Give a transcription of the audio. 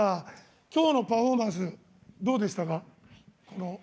今日のパフォーマンスどうでしたか？